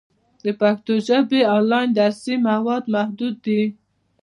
د پښتو ژبې آنلاین درسي مواد محدود دي.